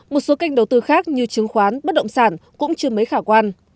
một số kênh đầu tư khác như trứng khoán bất động sàn cũng chưa mấy khả quan